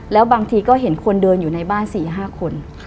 แล้วบางทีก็เห็นคนเดินอยู่ในบ้าน๔๕คน